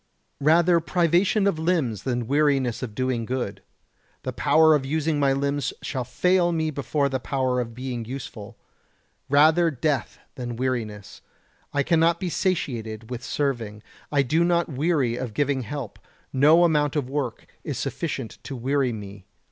113. Rather privation of limbs than weariness of doing good. The power of using my limbs shall fail me before the power of being useful. Rather death than weariness. I cannot be satiated with serving. I do not weary of giving help. No amount of work is sufficient to weary me.